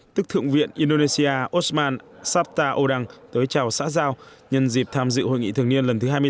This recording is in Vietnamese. tức thượng viện indonesia osman safta oda tới chào xã giao nhân dịp tham dự hội nghị thường niên lần thứ hai mươi sáu